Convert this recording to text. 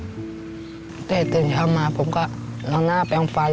ตั้งแต่ตื่นเช้ามาผมก็ลองหน้าแปลงฟัน